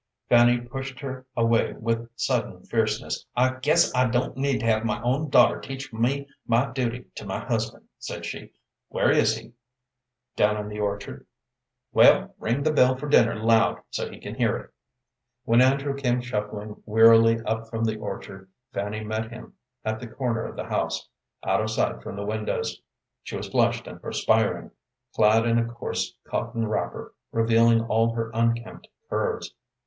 Fanny pushed her away with sudden fierceness. "I guess I don't need to have my own daughter teach me my duty to my husband," said she. "Where is he?" "Down in the orchard." "Well, ring the bell for dinner loud, so he can hear it." When Andrew came shuffling wearily up from the orchard, Fanny met him at the corner of the house, out of sight from the windows. She was flushed and perspiring, clad in a coarse cotton wrapper, revealing all her unkempt curves.